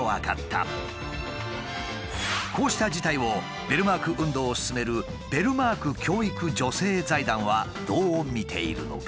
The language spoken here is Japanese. こうした事態をベルマーク運動をすすめるベルマーク教育助成財団はどう見ているのか？